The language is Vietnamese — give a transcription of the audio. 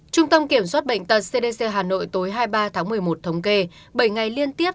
trung tâm kiểm soát bệnh tật cdc hà nội tối hai mươi ba tháng một mươi một thống kê bảy ngày liên tiếp